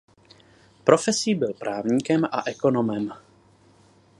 Profesí byl právníkem a ekonomem.